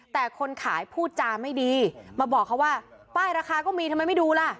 แต่คนขายพูดจาไม่ดีมาบอกเขาว่าป้ายราคาก็มีทำไมไม่ดูล่ะ